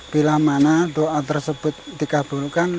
bila mana doa tersebut dikabulkan